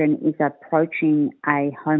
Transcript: menemukan perubahan tanpa rumah